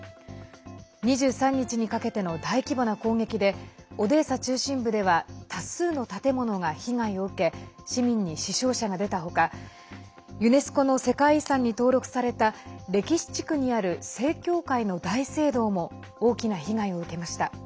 ２３日にかけての大規模な攻撃でオデーサ中心部では多数の建物が被害を受け市民に死傷者が出た他ユネスコの世界遺産に登録された歴史地区にある正教会の大聖堂も大きな被害を受けました。